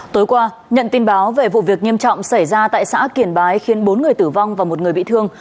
tối qua nhận tin báo về vụ việc nghiêm trọng xảy ra tại xã kiển bái khiến bốn người tử vong và một người bị thương